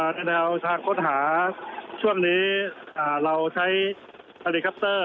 แนวทางค้นหาช่วงนี้เราใช้เฮลิคอปเตอร์